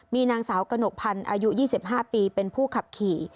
มีนางสาวกระหนกพันธ์อายุ๒๕ปีเป็นผู้ขับขี่